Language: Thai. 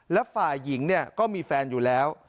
และฝ่ายหญิงก็มีแฟนอยู่แล้ว